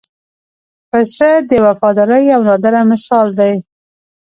پسه د وفادارۍ یو نادره مثال دی.